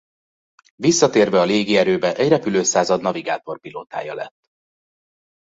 Visszatérve a légierőbe egy repülőszázad navigátor-pilótája lett.